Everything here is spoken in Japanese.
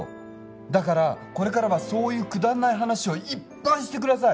だからこれからはそういうくだんない話をいっぱいしてください！